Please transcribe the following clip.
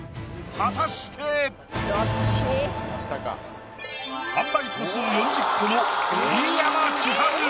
果たして販売個数４０個の新山千春